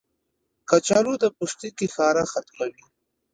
کچالو د پوستکي خارښ ختموي.